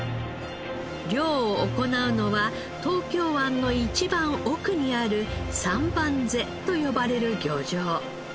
漁を行うのは東京湾の一番奥にある三番瀬と呼ばれる漁場。